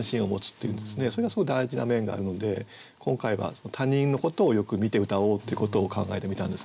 それがすごい大事な面があるので今回は他人のことをよく見てうたおうっていうことを考えてみたんですね。